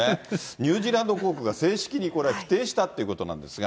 ニュージーランド航空が正式にこれは否定したということなんですが。